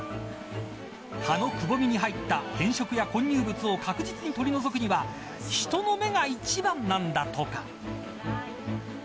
葉のくぼみに入った変色や混入物を確実に取り除くには人の目が一番なんだとか。